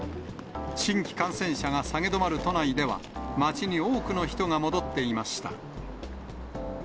新規感染者が下げ止まる都内では、街に多くの人が戻っていました。